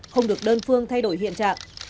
không được đơn phương thay đổi hiện trạng